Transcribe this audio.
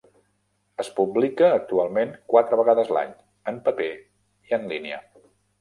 Es publica actualment quatre vegades l'any, en paper i en línia.